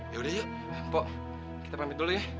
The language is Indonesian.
yaudah yuk mpok kita pamit dulu ya